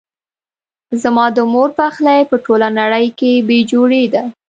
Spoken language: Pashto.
زما د مور پخلی په ټوله نړۍ کې بي جوړي ده